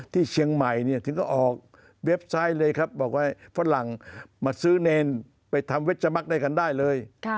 ที่เชียงใหม่ถึงก็ออกเว็บไซต์เลยครับบอกว่าฝรั่งมาซื้อเนรไปทำเวชมักได้กันได้เลย